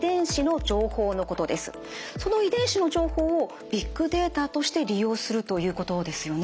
その遺伝子の情報をビッグデータとして利用するということですよね？